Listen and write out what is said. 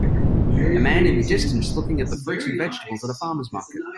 a man in the distance looking at the fruits and vegetables at a farmers market.